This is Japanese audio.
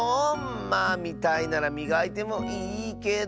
まあみたいならみがいてもいいけど。